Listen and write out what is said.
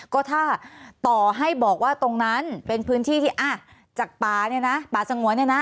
ก็ถ้าต่อให้บอกว่าตรงนั้นเป็นพื้นที่ที่อ่ะจากป่าเนี่ยนะป่าสงวนเนี่ยนะ